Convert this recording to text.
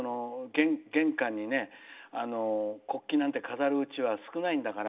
玄関に国旗なんて飾る家は少ないんだから